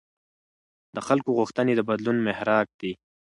د خلکو غوښتنې د بدلون محرک دي